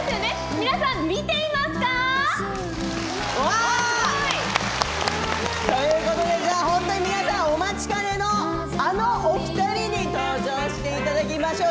皆さん、見ていますか？ということで皆さんお待ちかねのあのお二人に登場していただきましょう。